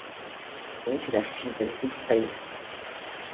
Se alguém tiver tinta, é difícil sair.